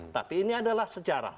tapi ini adalah sejarah